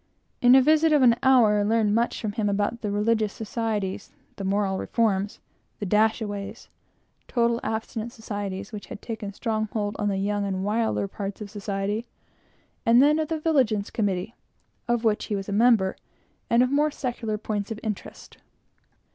In a visit of an hour I learned much from him about the religious societies, the moral reforms, the "Dashaways," total abstinence societies, which had taken strong hold on the young and wilder parts of society, and then of the Vigilance Committee, of which he was a member, and of more secular points of interest.